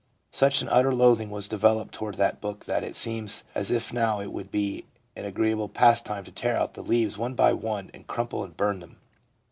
Such an utter loathing was developed toward that book that it seems as if even now it would be an agreeable pastime to tear out the leaves one by one and crumple and burn them.